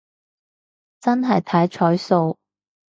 真係睇彩數